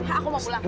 aku mau pulang